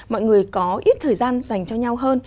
mọi người có ít thời gian dành cho nhau hơn